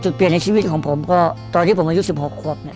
จุดเปลี่ยนในชีวิตของผมก็ตอนที่ผมอายุ๑๖ครบ